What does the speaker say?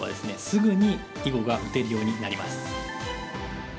すぐに囲碁が打てるようになります。